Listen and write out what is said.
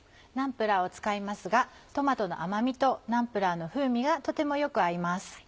ナンプラーを使いますがトマトの甘味とナンプラーの風味がとてもよく合います。